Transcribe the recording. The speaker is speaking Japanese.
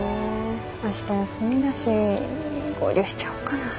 明日休みだし合流しちゃおっかなぁ。